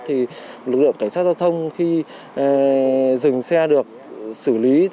thì lực lượng cảnh sát giao thông khi dừng xe được xử lý